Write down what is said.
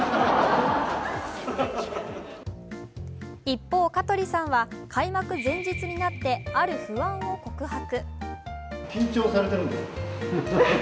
一方、香取さんは開幕前日になって、ある不安を告白。